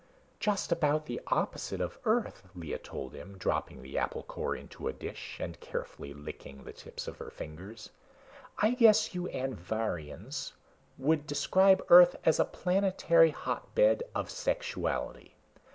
"Just about the opposite of Earth," Lea told him, dropping the apple core into a dish and carefully licking the tips of her fingers. "I guess you Anvharians would describe Earth as a planetary hotbed of sexuality.